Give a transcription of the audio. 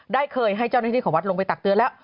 ได้เคยให้เจ้าหน้าที่ของวัดลงไปตักเตือนแล้ว